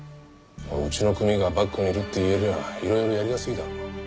うちの組がバックにいるって言えりゃいろいろやりやすいだろ。